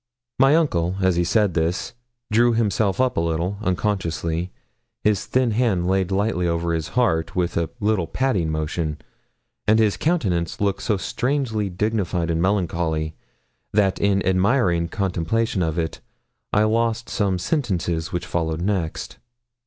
My uncle, as he said this, drew himself up a little, unconsciously, his thin hand laid lightly over his heart with a little patting motion, and his countenance looked so strangely dignified and melancholy, that in admiring contemplation of it I lost some sentences which followed next.